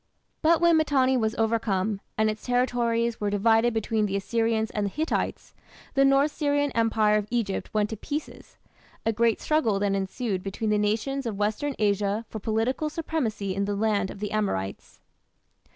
But when Mitanni was overcome, and its territories were divided between the Assyrians and the Hittites, the North Syrian Empire of Egypt went to pieces. A great struggle then ensued between the nations of western Asia for political supremacy in the "land of the Amorites".